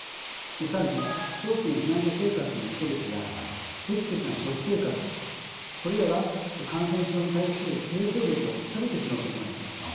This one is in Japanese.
更に長期の避難所生活のストレスや不適切な食生活これらが感染症に対する抵抗力を下げてしまうこともあります。